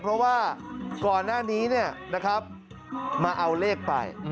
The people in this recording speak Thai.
เพราะว่าก่อนหน้านี้เนี่ยนะครับมาเอาเลขไป